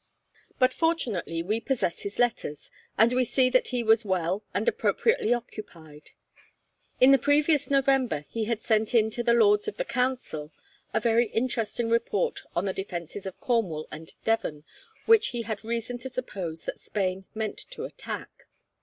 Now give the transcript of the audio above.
But fortunately we possess his letters, and we see that he was well and appropriately occupied. In the previous November he had sent in to the Lords of the Council a very interesting report on the defences of Cornwall and Devon, which he had reason to suppose that Spain meant to attack.